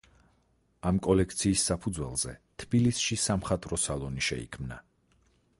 ამ კოლექციის საფუძველზე, თბილისში „სამხატვრო სალონი“ შეიქმნა.